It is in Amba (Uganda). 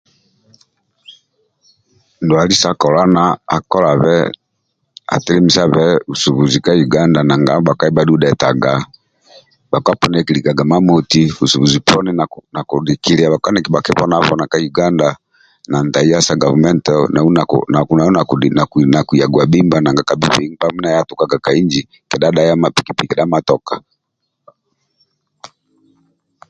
Ndwali sa kolona akolabe atelemisabe busubuzi ka uganda nanga bhakali bhadhu dhetaga bhakpa poni yekilikaga imamoti busubuzi poni nakidikilia bhakpa nibhakibonabona ka uganda na ntahiya sa government nau nakiya gwabhimba nanga kalibe mindia aya dhayaga piki piki kedha matoka